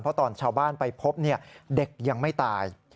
เพราะตอนชาวบ้านไปพบเด็กยังไม่ตาย